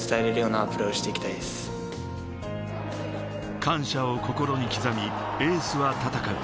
感謝を心に刻み、エースは戦う。